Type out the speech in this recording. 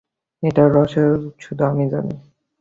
এটার রহস্য শুধু আমি জানি।